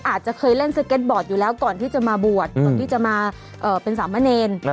อาจจะเคยเล่นสเก็ตบอร์ดอยู่แล้วก่อนที่จะมาบวชก่อนที่จะมาเป็นสามเณร